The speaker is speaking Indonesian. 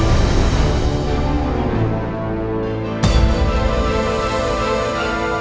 yaudah aku kesana sekarang ya